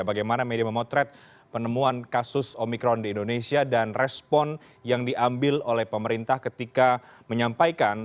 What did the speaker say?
bagaimana media memotret penemuan kasus omikron di indonesia dan respon yang diambil oleh pemerintah ketika menyampaikan